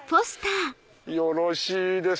よろしいです。